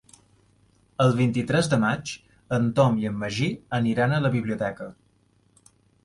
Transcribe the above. El vint-i-tres de maig en Tom i en Magí aniran a la biblioteca.